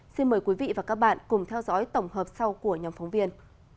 xin mời quý vị và các bạn cùng theo dõi tổng hợp sau của nhóm phóng viên